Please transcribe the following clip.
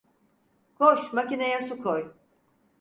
Koş, makineye su koy.